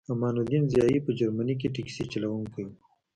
امان الدین ضیایی په جرمني کې ټکسي چلوونکی و